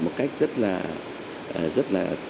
một cách rất là